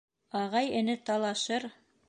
Ағай-эне талашыр